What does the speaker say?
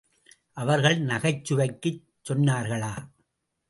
அவர்கள் நகைச்சுவைக்குச் சொன்னார்களா?